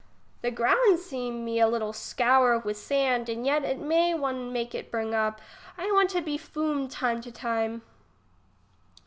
The ground seems me a little scour with sand and yet it may one make it bring up ; I want be fumed time by time.